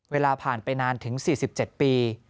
เวลาผ่านไปนานถึง๔๗ปี